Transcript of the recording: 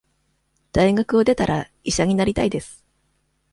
大学を出たら、医者になりたいです。